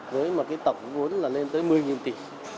với một cái tổng vốn là lên tới một mươi tỷ